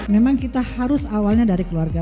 memang kita harus awalnya dari keluarga